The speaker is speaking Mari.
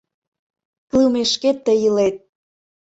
Клымешкет тый илет.